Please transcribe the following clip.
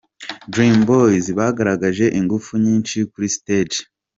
Dream Boys bagaragaje ingufu nyinshi kuri stage.